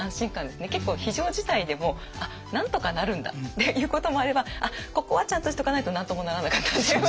結構非常事態でもなんとかなるんだっていうこともあればここはちゃんとしとかないと何ともならなかったっていう。